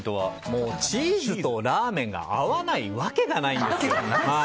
もうチーズとラーメンが合わないわけがないんですよね。